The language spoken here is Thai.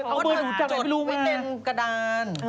เอาเบอร์หนูจัดไม่รู้แม่โทรศัพท์ค่ะจดไม่เต็มกระดาน